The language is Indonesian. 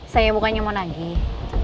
saya bukannya mau nagih